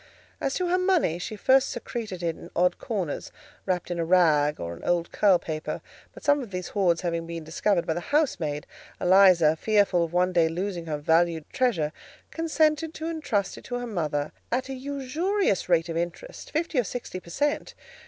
As to her money, she first secreted it in odd corners, wrapped in a rag or an old curl paper; but some of these hoards having been discovered by the housemaid, Eliza, fearful of one day losing her valued treasure, consented to intrust it to her mother, at a usurious rate of interest—fifty or sixty per cent.